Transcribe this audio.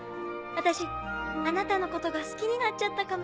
私あなたのことが好きになっちゃったかも。